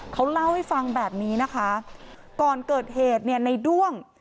เขาเล่าให้ฟังแบบนี้นะคะก่อนเกิดเหตุเนี่ยในด้วง